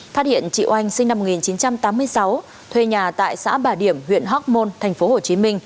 phát hiện chị oanh sinh năm một nghìn chín trăm tám mươi sáu thuê nhà tại xã bà điểm huyện hóc môn tp hcm